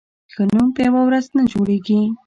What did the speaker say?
ښه نوم په یوه ورځ نه جوړېږي.